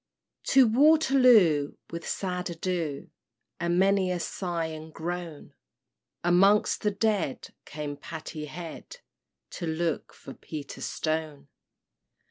To Waterloo, with sad ado, And many a sigh and groan, Amongst the dead, came Patty Head, To look for Peter Stone.